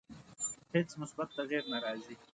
هیڅ مثبت تغییر نه راځي.